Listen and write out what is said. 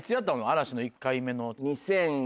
嵐の１回目の。